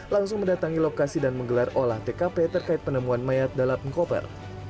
langsung mendatangi lokasi dan menggelar olah tkp terkait penemuan mayat dalam koper